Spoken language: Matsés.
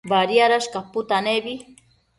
Badiadash caputanebi